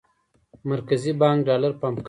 مرکزي بانک ډالر پمپ کوي.